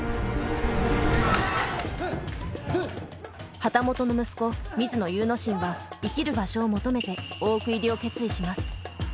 旗本の息子水野祐之進は生きる場所を求めて大奥入りを決意します。